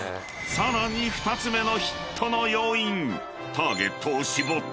［さらに２つ目のヒットの要因］